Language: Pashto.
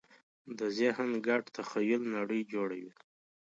د ذهن ګډ تخیل نړۍ جوړوي.